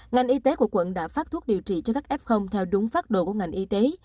ngành y tế của quận đã phát thuốc điều trị cho các f theo đúng phát đồ của ngành y tế